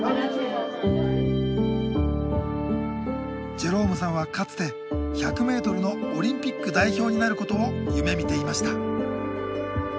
ジェロームさんはかつて１００ｍのオリンピック代表になることを夢みていました。